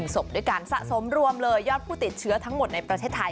ศพด้วยกันสะสมรวมเลยยอดผู้ติดเชื้อทั้งหมดในประเทศไทย